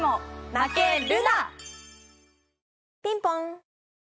ピンポン。